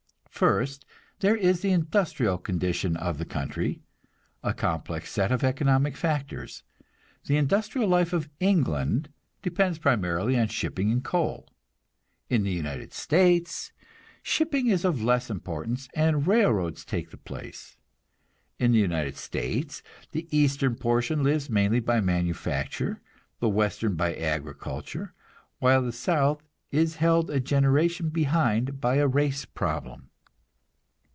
First, there is the industrial condition of the country, a complex set of economic factors. The industrial life of England depends primarily on shipping and coal. In the United States shipping is of less importance, and railroads take the place. In the United States the eastern portion lives mainly by manufacture, the western by agriculture, while the south is held a generation behind by a race problem.